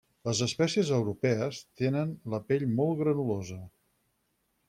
Les espècies europees tenen la pell molt granulosa.